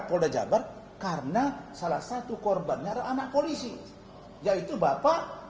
cirebon kota ke jawa barat polda jabar karena salah satu korbannya anak polisi yaitu bapak